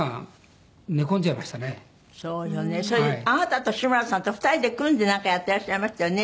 それであなたと志村さんと２人で組んでなんかやってらっしゃいましたよね